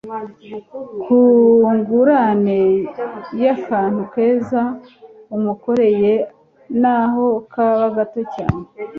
Ku ngurane y'akantu keza umukoreye n'aho kaba gato cyane,